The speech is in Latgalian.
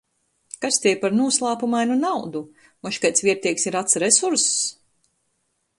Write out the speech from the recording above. Kas tei par nūslāpumainu naudu? Mož kaids vierteigs i rats resurss??...